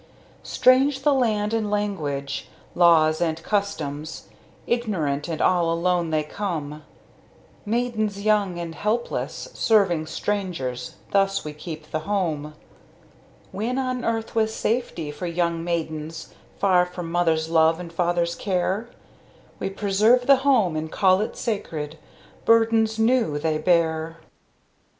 Strange the land and language, laws and customs; Ignorant and all alone they come; Maidens young and helpless, serving strangers, Thus we keep the Home. When on earth was safety for young maidens Far from mother's love and father's care? We preserve The Home, and call it sacred Burdens new they bear.